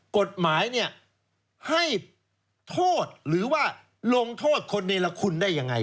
กฎหมายให้โทษหรือว่าลงโทษคนเนลคุณได้อย่างไร